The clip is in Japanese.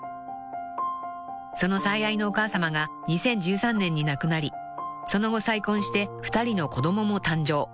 ［その最愛のお母さまが２０１３年に亡くなりその後再婚して２人の子供も誕生］